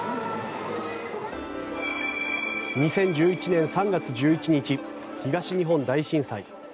２０１１年３月１１日東日本大震災。